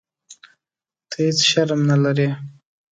ته هیح شرم نه لرې.